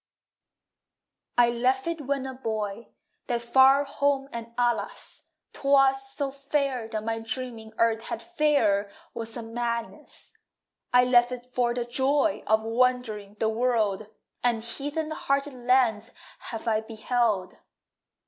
I left it when a boy, That far home and, alas, 'Twas so fair that my dreaming Earth had fairer was a madness. I left it for the joy Of wandering the world, And heathen hearted lands have I beheld!